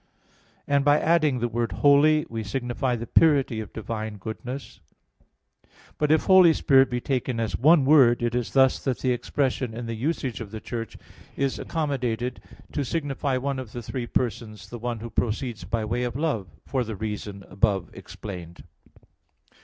And by adding the word "holy" we signify the purity of divine goodness. But if Holy Spirit be taken as one word, it is thus that the expression, in the usage of the Church, is accommodated to signify one of the three persons, the one who proceeds by way of love, for the reason above explained.